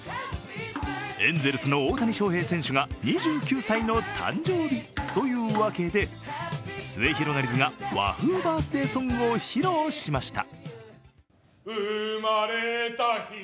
エンゼルスの大谷翔平選手が２９歳の誕生日というわけですゑひろがりずが和風バースデーソングを披露しました。